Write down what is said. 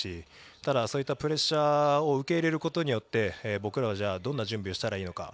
ただ、そういったプレッシャーを受け入れることによって僕らはどんな準備をしたらいいのか。